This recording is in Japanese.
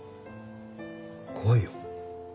怖いよ。